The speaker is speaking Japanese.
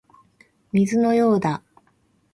水のようだ